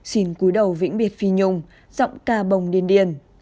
xin cúi đầu vĩnh biệt phi nhung giọng ca bồng điên điên